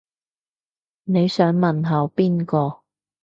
你想問候邊個